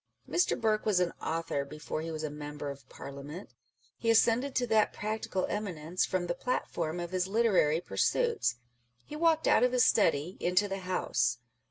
Mr. Burke was an author before he was a Member of Parliament : he ascended to that practical eminence from " the platform " of his literary pursuits. He walked out of his study into the House.